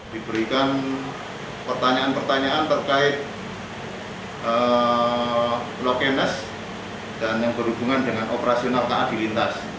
diberikan pertanyaan pertanyaan terkait lokenes dan yang berhubungan dengan operasi narkotik di lintas